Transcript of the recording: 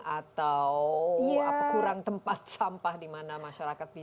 atau kurang tempat sampah di mana masyarakat bisa